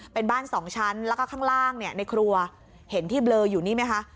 เป็นบ้านสองชั้นแล้วก็ข้างล่างเนี่ยในครัวเห็นที่เบลออยู่นี่ไหมคะ